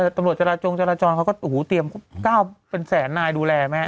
ตำรวจจราจงจราจอนฮูเตรียมเก้าเป็นแสนนายดูแลแม้